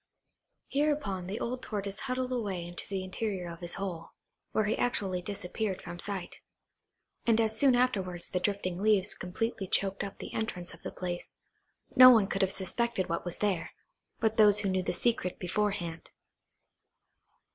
Hereupon the old Tortoise huddled away into the interior of his hole, where he actually disappeared from sight; and as soon afterwards the drifting leaves completely choked up the entrance of the place, no one could have suspected what was there, but those who knew the secret beforehand.